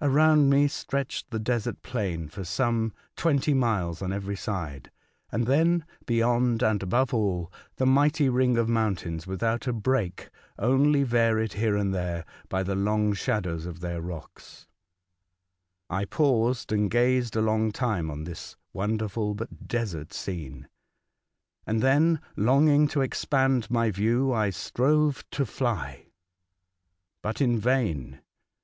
Around me stretched the desert plain for some twenty miles on every side, and then, beyond and above all, the mighty ring of mountains, without a break, only varied,, here and there, by the long shadows of their.* rocks. F 2 68 A Voyage to Other Worlds, I paused and gazed a long time on this wonderful, but desert, scene, and then, longing to expand my view, I strove to fly. But in vain.